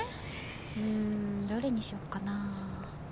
うんどれにしようかな？